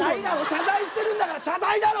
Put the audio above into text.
謝罪してるんだから謝罪だろ！